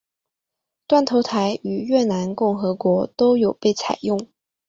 断头台于越南共和国都有被采用。